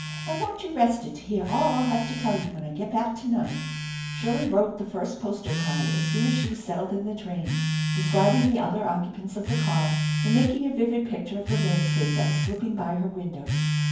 I want you rested to hear all I'll have to tell when I get back to night !" Shirley wrote the first postal card as soon as she was settled in the train, describing the other occupants of the car, and making a vivid picture of the landscape that was slipping by her windows.